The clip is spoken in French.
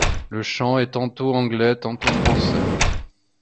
Le chant est tantôt anglais, tantôt français.